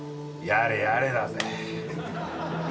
やれやれだぜ。